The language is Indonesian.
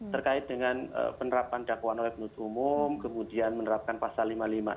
terkait dengan penerapan dakwaan oleh penutup umum kemudian menerapkan pasal lima puluh lima